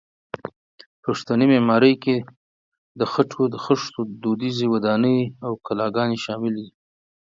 پښتني معمارۍ کې د خټو د خښتو دودیزې ودانۍ او کلاګانې شاملې دي.